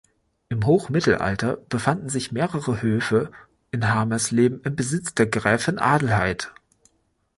Im Hochmittelalter befanden sich mehrere Höfe in Hamersleben im Besitz der Gräfin Adelheid.